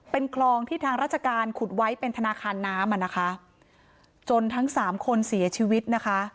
เป็นคลองที่ทางราชการขุดไว้เป็นธนาคารน้ำอ่ะนะคะจนทั้งสามคนเสียชีวิตนะคะ